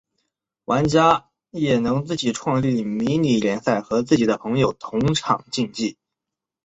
玩家也能自己创立迷你联赛和自己的朋友同场竞技。